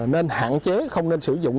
nên hạn chế không nên sử dụng